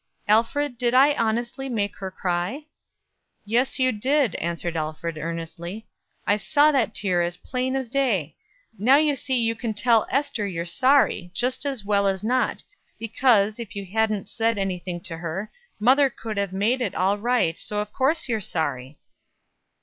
Alfred, did I, honestly, make her cry?" "Yes, you did," Alfred answered, earnestly. "I saw that tear as plain as day. Now you see you can tell Ester you're sorry, just as well as not; because, if you hadn't said any thing to her, mother could have made it all right; so of course you're sorry."